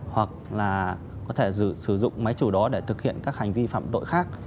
hoặc là có thể sử dụng máy chủ đó để thực hiện các hành vi phạm tội khác